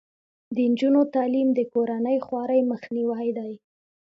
د نجونو تعلیم د کورنۍ خوارۍ مخنیوی دی.